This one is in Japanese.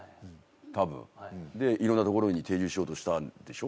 多分で色んなところに定住しようとしたんでしょ？